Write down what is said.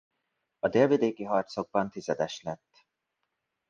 A délvidéki harcokban tizedes lett.